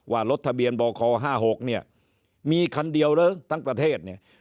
ว่ารถทะเบียนบค๕๖เนี่ยมีคันเดียวเหรอทั้งประเทศเนี่ย